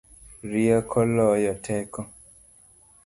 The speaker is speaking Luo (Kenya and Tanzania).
Rieko loyo teko